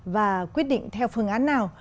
và quyết định theo phương án nào